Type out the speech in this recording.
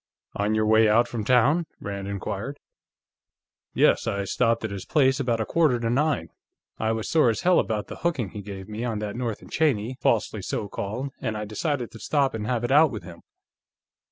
"On your way out from town?" Rand inquired. "Yes. I stopped at his place, about a quarter to nine. I was sore as hell about the hooking he gave me on that North & Cheney, falsely so called, and I decided to stop and have it out with him.